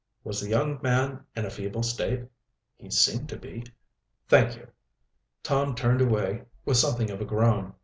"Was the young man in a feeble state?" "He seemed to be." "Thank you." Tom turned away with something of a groan.